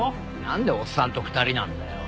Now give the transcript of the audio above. なんでおっさんと２人なんだよ。